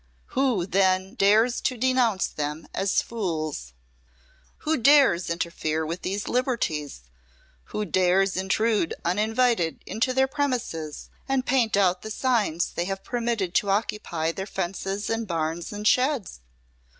Who, then, dares to denounce them as fools? Who dares interfere with these liberties, who dares intrude uninvited into their premises and paint out the signs they have permitted to occupy their fences and barns and sheds?